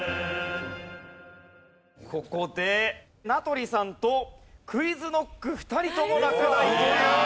ここで名取さんとＱｕｉｚＫｎｏｃｋ２人とも落第という。